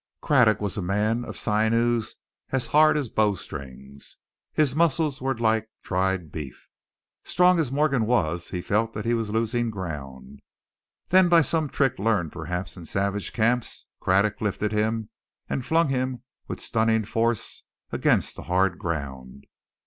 Craddock was a man of sinews as hard as bow strings; his muscles were like dried beef. Strong as Morgan was, he felt that he was losing ground. Then, by some trick learned perhaps in savage camps, Craddock lifted him, and flung him with stunning force against the hard ground.